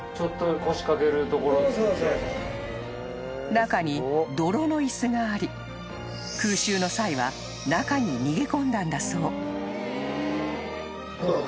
［中に泥の椅子があり空襲の際は中に逃げ込んだんだそう］